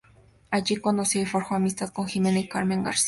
Allí conoció y forjó amistad con Jimena y Carmen García.